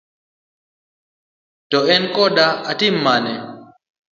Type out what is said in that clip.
To, en koda tim mane?